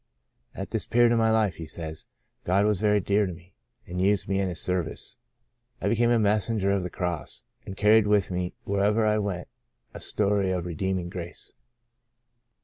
At this period of my life/' he says, '' God was very dear to me, and used me in His service. I became a messenger of the Cross, and carried with me wherever I went a story of redeem ing grace."